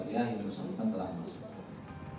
hidup sebutan terlambat